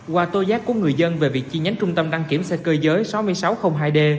qua tô giác của người dân về việc chi nhánh trung tâm đăng kiểm xe cơ giới sáu nghìn sáu trăm linh hai d